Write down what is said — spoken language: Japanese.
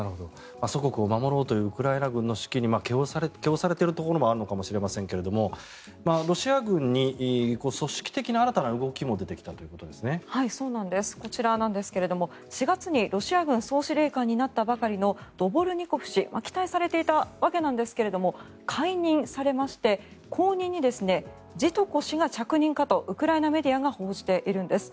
祖国を守ろうというウクライナ軍の士気に気おされているところもあるのかもしれませんがロシア軍に組織的な新たな動きもこちらなんですが４月にロシア軍総司令官になったばかりのドボルニコフ氏期待されていたわけなんですが解任されまして後任にジトコ氏が着任かとウクライナメディアが報じているんです。